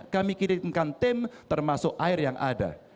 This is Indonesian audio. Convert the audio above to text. kami kirimkan tim termasuk air yang ada